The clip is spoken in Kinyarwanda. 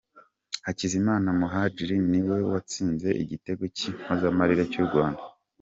Hakizimana Muhadjili ni we watsinze igitego cy'impozamarira cy'u Rwanda.